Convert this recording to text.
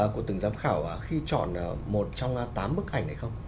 của từng giám khảo khi chọn một trong tám bức ảnh này không